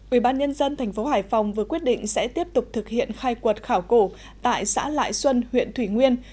ubnd tp hải phòng vừa quyết định sẽ tiếp tục thực hiện khai quật khảo cổ tại xã lại xuân huyện thủy nguyên